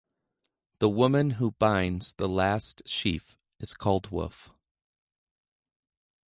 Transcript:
The woman who binds the last sheaf is called Wolf.